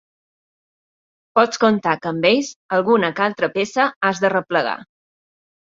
Pots comptar que amb ells alguna que altra peça has d'arreplegar.